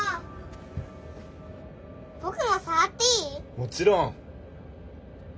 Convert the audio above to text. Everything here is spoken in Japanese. もちろん。